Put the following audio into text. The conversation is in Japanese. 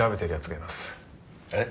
えっ？